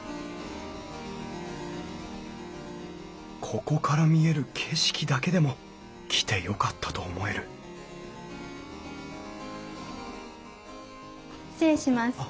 ここから見える景色だけでも来てよかったと思える失礼します。